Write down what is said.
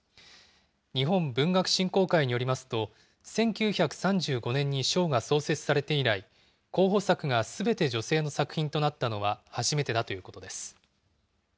日本文学振興会によりますと、１９３５年に賞が創設されて以来、候補作がすべて女性の作品となったのは初めてだということです。